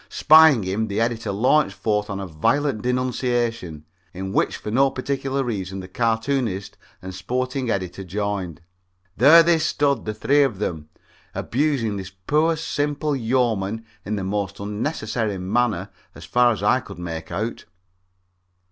Spying him, the editor launched forth on a violent denunciation, in which for no particular reason the cartoonist and sporting editor joined. There they stood, the three of them, abusing this poor simple yeoman in the most unnecessary manner as far as I could make out.